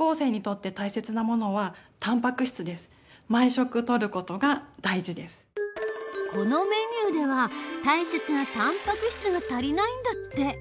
しかしどうしてもこのメニューでは大切なたんぱく質が足りないんだって。